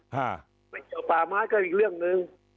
ไม่เกี่ยวป่าไม้ก็อีกเรื่องหนึ่ง